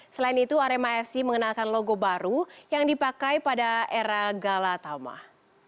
selain itu rmafc mengenalkan logo baru yang dipakai pada era gala taumah